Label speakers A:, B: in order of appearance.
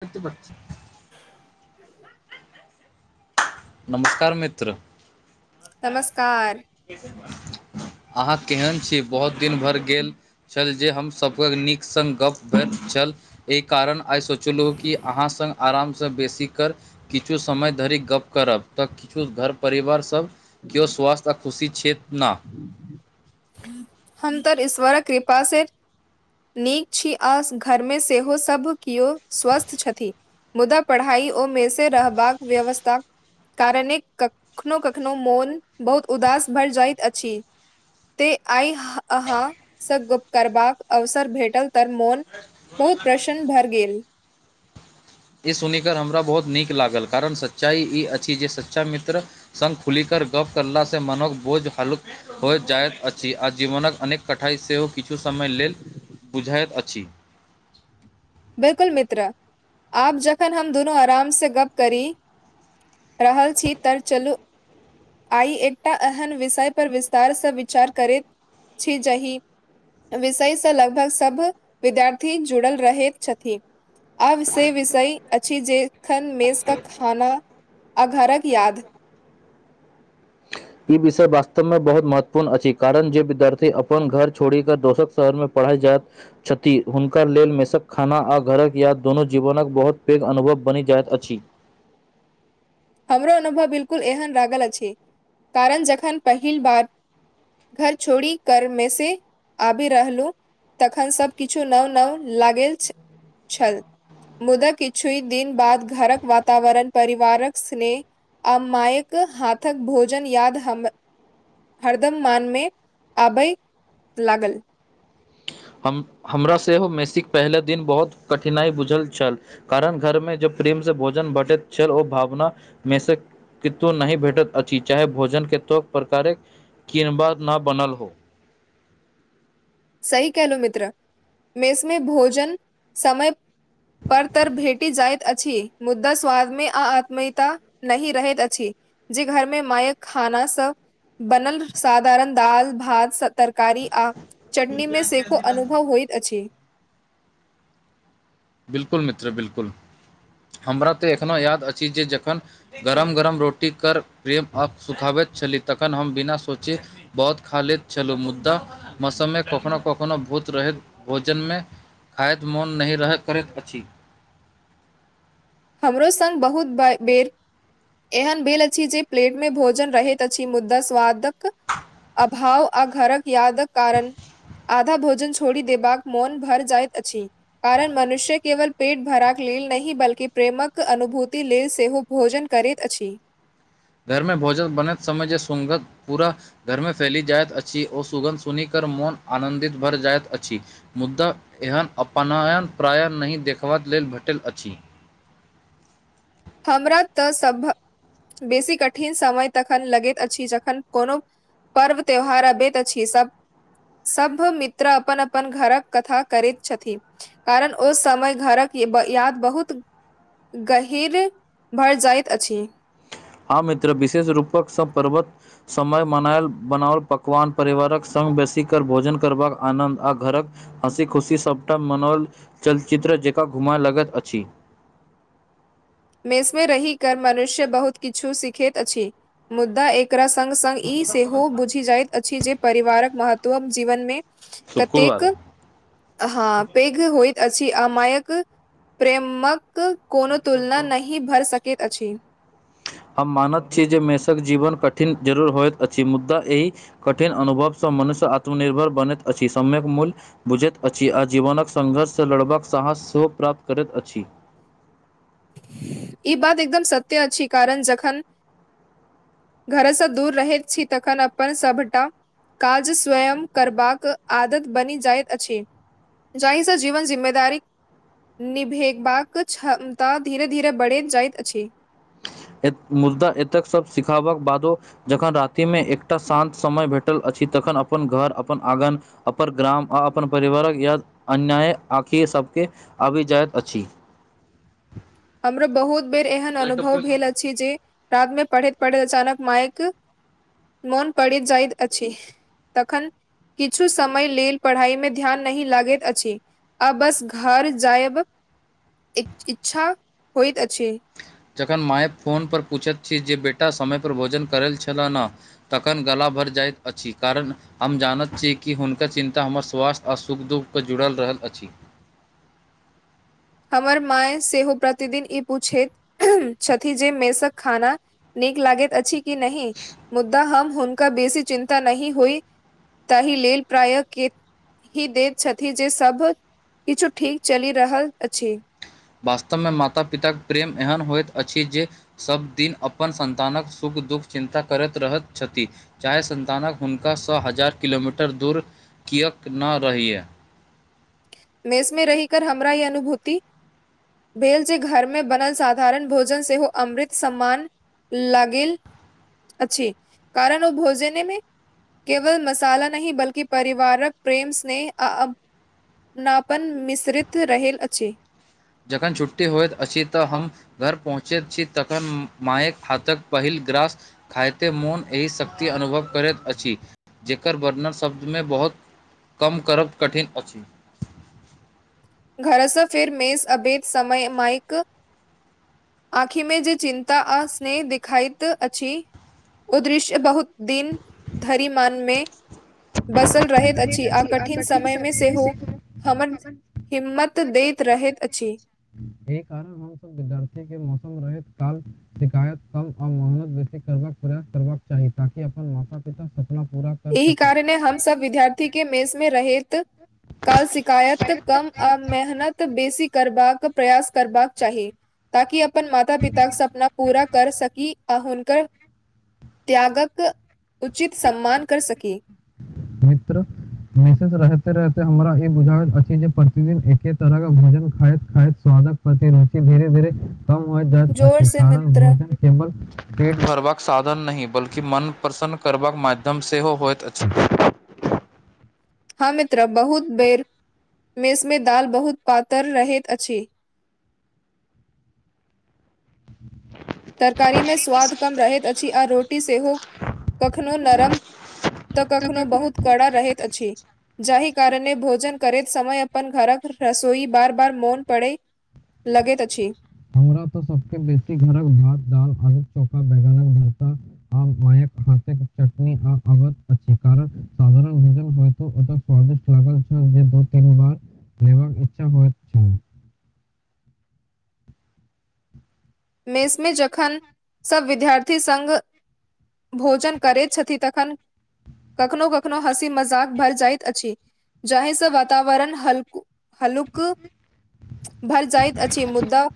A: सत बत छै नमस्कार मित्र
B: नमस्कार
A: अहाँ केहन छी बहुत दिन भरि गेल छल जे हम सभक नीक संग गप भेल छल एहि कारण आइ सोचलहुँँ कि अहाँ आरामसँ बेसी कर किछु समय धरि गप करब तऽ किछु घर परिवारसभ केओ स्वास्थ्य आ खुशी छथि ने
B: [unintelligible] सुन्दर ईश्वरक कृपा से नीक छी आ घरमे सेहो सभ केओ स्वस्थ छथि मुदा पढ़ाई ओ मे से रहबाक व्यवस्था कारणे कखनो कखनो मोन बहुत उदास भइ जाइत अछि ते आइ अहाँसँ गुप करबाक अवसर भेटल तऽ मोन बहुत प्रशन्न भरि गेल
A: [unintelligible] ई सुनिकर हमरा बहुत नीक लागल कारण सच्चाइ ई अछि जे सच्चा मित्र संघ खुलि कऽ गप कला से मनक बोझ हलुक हो जाइत अछि आ जीवनक अनेक कठिनाई सेहो किछु समय लेल बुझैत अछि
B: बिलकुल मित्र आप जखन हम दुनू आराम से गप करी रहल छी तऽ चलू आइ एकटा एहन विषय पर विस्तारसँ विचार करैत छी जाहि विषय से लगभग सब विद्यार्थी जुड़ल रहे छथि आब से विषय अच्छी जखन मेज का खाना आ घरक याद
A: [unintelligible] ई विषय वास्तवमे बहुत महत्वपूर्ण अछि कारण जे विद्यार्थी अपन घर छोड़ि क दोसर शहरमे पढ़ पढ़य जाइत छथि हुनका लेल मेसक खाना आ घरक याद दुनू जीवनक बहुत पैघ अनुभव बनि जाइत अछि
B: हमरो अनुभव बिलकुल एहन लागल अछि कारण जखन पहिल बार घर छोड़ी कर मे से आबी रहलू तखन सभकिछु नाव नाव लागेल छै छल मुदा किछु दिन बाद घरक वातावरण परिवारक स्नेह आ माायक हाथक भोजन याद हम हरदम मानमे आबय लागल
A: हम हमरा सेहो मैसीक पहिला दिन बहुत कठिनाई बुझल छल कारण घरमे जब प्रेम से भोजन भेटैत छल ओ भावना मे से कतु नहि भेटत अची चाहे भोजन केतो प्रकारक किनबा न बनल हो [inaudible]
B: सही केहलो मित्र मेसमे भोजन समय पर तर भेटी जाइत अछि मुद्दा स्वादमे आ आत्मीयता नहि रहैत अछि जे घर मे मायक खाना सब बनल साधारण दाल भात सब तरकारी आ चटनी मे से को अनुभव होइत अछि की
A: बिलकुल मित्र बिलकुल हमरा तऽ एखनो याद अछि जे जखन गरम गरम रोटी कर प्रेम आ सुखाबैत छली तखन हम बिना सोची बहुत खा लैत छलहुँ मुदा मौसममे कखनोहु कखनोहु भूत रह भोजन मे खायद मौन नहि रहत करैत अछि
B: हमरो संग बहुत बाइर बेर एहन भेल अछि जे प्लेट मे भोजन रहैत अछि मुद्दा स्वादक अभाव आ घरक यादक कारण आधा भोजन छोड़ी देबाक मौन भर जाइत अछि कारण मनुष्य केवल पेट भराक लेल नहि बल्कि प्रेमक अनुभूति लेल सेहो भोजन करैत अछि
A: घरमे भोजन बनेैत समय जे सुगध पूरा घरमे फैली जायत अछी ओ सुगन्ध सुनी क मौन आनंदित भर जाइत अछि मुद्दा एहन अपनायन प्रायः नहि देखबबाक लेल भेटल अछि
B: हमरा तऽ सभ बेसी कठिन समय तखन लगैत अछि जखन कोनो पर्व त्यौहार अबैत अछि सभ सभ मित्र अपन अपन घरक कथा करैत छथिन कारण ओ समय घरक याद बहुत गहीर भर जाइत अछि
A: हँ मित्र विशेष रूपक स पर्वत समय मनायल बनाओल पकवान परिवारक सभ बेसी कर भोजन करबाक आनन्द आ घरक हँसी खुशी सभटा मनोल चलचित्र जेका घुम लगत अछि
B: मेसमे रहि कर मनुष्य बहुत किछु सीखैत अछि मुद्दा एक एकरा संगग स ई सेहो बुझी जायत अछि जे परिवारक महत्व जीवन मे कतेक
A: शुक्रवारे
B: हँ पैघ होय अछि अमायक प्रेमक कोनो तुलना न भ सकैत अछि
A: [unintelligible] हम मानत छी जे मेषक जीवन कठिन जरूर होयइत अछि मुद्दा एहि कठिन अनुभव से मनुष्य सँ आत्मनिर्भर बनैत अछि समक मूल्य बुझैत अछि आ जीवनक संघर्षसँ लड़बाक साहस सेहो प्राप्त करैत अछि
B: ई बात एकदम सत्य अछि कारण जखन घरसँ दूर रहैत छी तखन अपन सभटा काज स्वयं करबाक आदत बनि जाइत अछि जाहिस जीवन जिम्मेदारी निभेबाक क्षम त धीरे धीरे बढ़े जाइत अछि
A: मुद्दा एतेक सब सिखाबक बादो जखन राति मे एकटा शान्त समय भेटल अछि छी तखन अपन घर अपन आङ्गन अपन ग्राम आ अपन परिवारक या अन्याय आँखि सभके आबि जाइत अछि
B: हमरो बहुत बेर एहन अनुभव भेल अछि जे रात मे पढ़ैत पढ़ैत अचानक मायक मोन पड़ि जाइत अछि तखन किछु समय लेल पढ़ाइमे ध्यान नहि लागैत अछि आ बस घर जायब इच्छा होइत अछि
A: जखन माय फोन पर पूछैत छी जे बेटा समय पर भोजन करल छलह ह तखन गला भर जाइत अछि कारण हम जानत छी कि हुनका चिन्ता हमर स्वास्थ्य आ सुख दुःख के जुड़ल रह अछि
B: हमर माय सेहो प्रतिदिन ई पूछैत छथि जे मेसक खाना नीक लागैत अछि कि नहि मुद्दा हम हनका बेसी चिन्ता नहि होई तहि लेल प्रायः के ही दैत छथि जे सभ किछु ठीक चलि रहल अछि
A: वास्तवमे माता पिताक प्रेम एहन होइत अछि जे सभदिन अपन संन्तानक सुख दुःख चिन्ता करैत रहैत छथि चाहे सन्तानक हुनका सए हजार किलोमीटर दूर किएक ना रहैए
B: मेष मे रहि कर हमरा ई अनुभूति भेल जे घरमे बनल साधारण भोजन सेहो अमृत सम्मान लागेल अछि कारण ओ भोजनेमे केवल मसाला नहि बल्कि परिवारक प्रेम स्नेह आ नापन मिश्रित रहेत अछि
A: जखन छुट्टी होइत अछि तऽ हम घर पहुँचैत छी तखन मायक हाथक पहिल ग्रास खाइते मोन एहि शक्ति अनुभव करैत अछि जकर वर्णर शब्दमे बहुत कम करब कठिन अछि
B: घरसँ फेर मेष अभैद समय माइक आँखिमे जे चिन्ता आ स्नेह देखाइत अछि उदृश्य बहुत दिन धरि मन मे बसल रहैत अछि आ कठिन समयमे सेहो हमर हिम्मत दैत रहैत अछि
A: य कारण हमस विद्यार्थी के मौसम रहत काल शिकायत कम आ मोहनत बेसी कर प्रयास करबाक चाही ताकि अपन माता पिता सब
B: एहि कारणे हम सब विद्यार्थी के मेज मे रहैत काल शिकायत कम आ मेहनत बेसी करबाक प्रयास करबाक चाही ताकि अप अपन माता पित क सपना पूरा कर सकी आ हुनक त्यागक उचित सम्मान [inaudible]
A: मित्र निशेष रहते रहते हमरा ई बुझाबैत अछि जे प्रतिदिन एके तरह के भोजन खाइत खाइत स्व ति रुचि धीरे धीरे कम हो जाइत
B: जोर से
A: कार
B: मित्र
A: भोजन केल पेटर साधन नहि बल्कि मन प्रसन्न करबाक माध्यम सेहो होइत अछि
B: हँ मित्र बहुत बेर मेसमे दाल बहुत पातर रहैत अछि तरकारीमे स्वाद कम रहैत अछि आ रोटी सेहो कखनो नरम तऽ कखनो बहुत कड़ा रहैत अछि जाहि कारणे भोजन करैत समय अपन घरक रसोई बार बार मौन पड़े लगैत अछि
A: हमरा तऽ सभसँ बेसी घरक भात दाल आलूक चोखा बैगान भरता आ मायक हाथे चटनी आ अवध अछि कारण साधारण भोजन होत ओतय स्वादिष्ट लागल छै जे दू तन बार लेबाक इच्छा कर
B: मेसमे जखन सब विद्यार्थी संघ भोजन करैत छथि तखन कखनो कखनो हँसी मजाक भर जाइत अछि जाहिसँ वातावरण हल्कू हलुक भर जाइत अछि मुदा